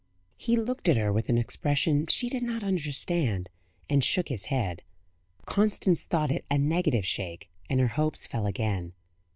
He looked at her with an expression she did not understand, and shook his head. Constance thought it a negative shake, and her hopes fell again.